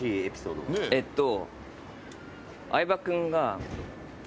えっと。